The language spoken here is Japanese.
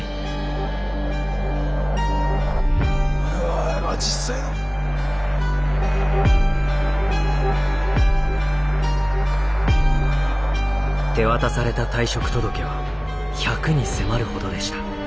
うわぁ実際の⁉手渡された退職届は１００に迫るほどでした。